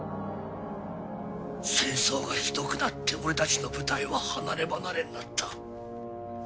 戦争がひどくなって俺たちの部隊は離れ離れになった。